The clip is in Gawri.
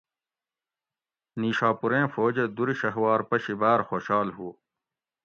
نیشا پوریں فوجہ دُر شھوار پشی بار خوشحال ہوُ